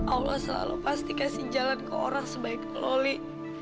allah selalu pasti kasih jalan ke orang sebaik loli